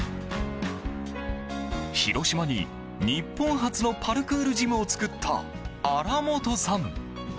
広島に日本初のパルクールジムを作った荒本さん。